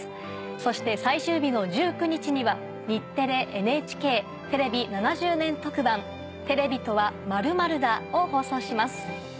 そして最終日の１９日には日テレ×ＮＨＫテレビ７０年特番『テレビとは、○○だ』を放送します。